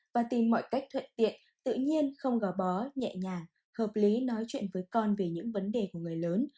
và tìm mọi cách thuận tiện tự nhiên không gò bó nhẹ nhàng hợp lý nói chuyện với con về những vấn đề của người lớn